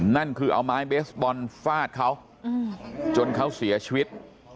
นั่นคือเอาไม้เบสบอลฟาดเขาจนเขาเสียชีวิต